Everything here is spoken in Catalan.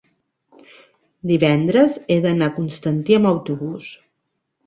divendres he d'anar a Constantí amb autobús.